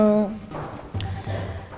semoga gini aja dong